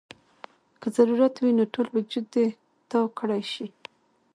کۀ ضرورت وي نو ټول وجود دې تاو کړے شي -